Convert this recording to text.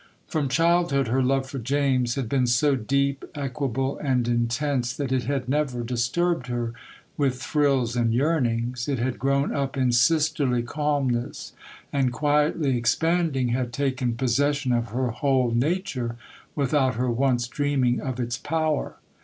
From childhood, her love for James had been so deep, equable, and intense, that it had never disturbed her with thrills and yearnings; it had grown up in sisterly calmness, and, quietly expanding, had taken possession of her whole nature without her once dreaming of its power.